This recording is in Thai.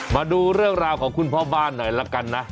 มาดูเรื่องราวของคุณพ่อบ้านหน่อยละกันนะ